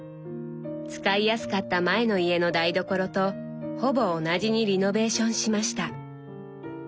使いやすかった前の家の台所とほぼ同じにリノベーションしました。